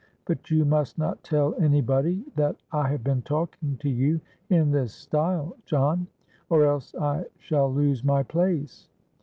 But you must not tell any body that I have been talking to you in this style, John; or else I shall lose my place.'